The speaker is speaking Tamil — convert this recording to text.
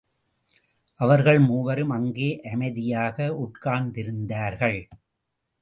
அவர்கள் மூவரும் அங்கே அமைதியாக உட்கார்ந்திருந்தார்கள்.